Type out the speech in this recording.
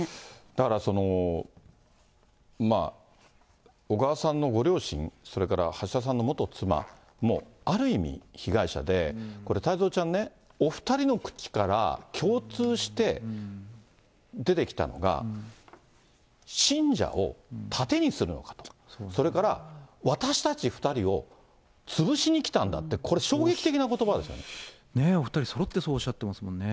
だから小川さんのご両親、それから橋田さんの元妻も、ある意味、被害者で、これ、太蔵ちゃんね、お２人の口から共通して出てきたのが、信者を盾にするのかと、それから、私たち２人を潰しにきたんだって、お２人そろってそうおっしゃってますもんね。